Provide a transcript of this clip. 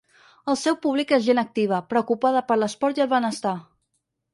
El seu públic és gent activa, preocupada per l’esport i el benestar.